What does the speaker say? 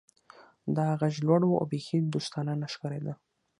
دا غږ لوړ و او بیخي دوستانه نه ښکاریده